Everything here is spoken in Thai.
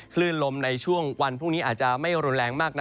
คลื่นลมในช่วงวันพรุ่งนี้อาจจะไม่รุนแรงมากนัก